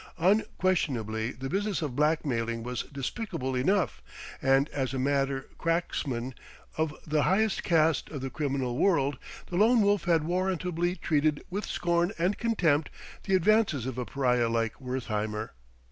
Unquestionably the business of blackmailing was despicable enough; and as a master cracksman, of the highest caste of the criminal world, the Lone Wolf had warrantably treated with scorn and contempt the advances of a pariah like Wertheimer.